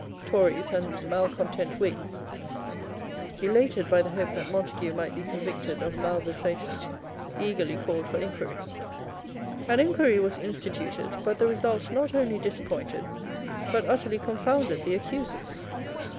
Tories and malecontent Whigs, elated by the hope that Montague might be convicted of malversation, eagerly called for inquiry. An inquiry was instituted; but the result not only disappointed but utterly confounded the accusers.